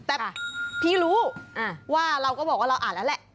แต่พี่รู้ว่าเราก็บอกว่าเราอ่านแล้วแหละ